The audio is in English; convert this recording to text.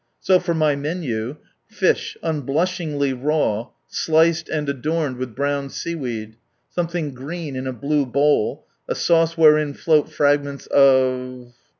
So, for my menu Fish, unblushingly raw, sliced, and adorned with brown sea weed ; something green, in a blue bowl, a sauce wherein float fragments of